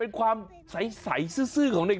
เป็นความใสซื่อของเด็ก